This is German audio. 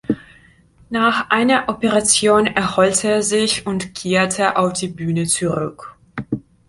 Nach einer Operation erholte er sich und kehrte auf die Bühne zurück.